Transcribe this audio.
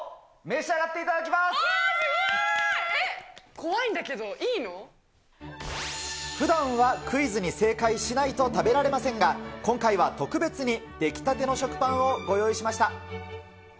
怖いんだけど、いいの？ふだんはクイズに正解しないと食べられませんが、今回は特別に出来たての食パンをご用意しました。